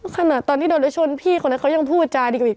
ขณะตอนที่โดนรถชนพี่คนนั้นเขายังพูดจาดีกว่าอีก